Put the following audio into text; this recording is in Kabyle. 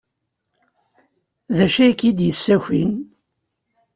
D acu ay k-id-yessakin?